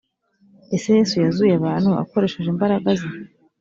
ese yesu yazuye abantu akoresheje imbaraga ze